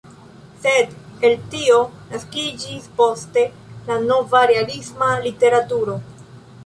Sed el tio naskiĝis poste la nova realisma literaturo.